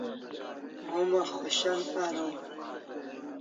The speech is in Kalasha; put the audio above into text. Homa khoshan araw